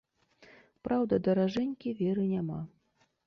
Праўда, даражэнькі, веры няма.